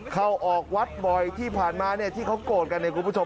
เข้าออกวัดบ่อยที่ผ่านมาเนี่ยที่เขาโกรธกันเนี่ยคุณผู้ชม